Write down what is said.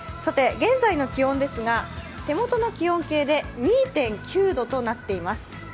現在の気温ですが手元の気温計で２．９度となっています。